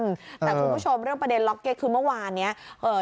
แต่คุณผู้ชมเรื่องประเด็นล็อกเก็ตคือเมื่อวานเนี้ยเอ่อ